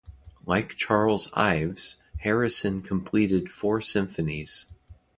Like Charles Ives, Harrison completed four symphonies.